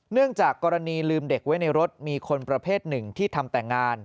จากกรณีลืมเด็กไว้ในรถมีคนประเภทหนึ่งที่ทำแต่งงาน